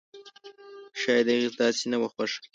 شايد د هغې داسې نه وه خوښه!